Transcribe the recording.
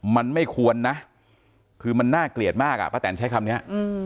มันไม่ควรนะคือมันน่าเกลียดมากอ่ะป้าแตนใช้คำนี้